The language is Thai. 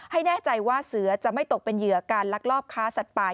แน่ใจว่าเสือจะไม่ตกเป็นเหยื่อการลักลอบค้าสัตว์ป่า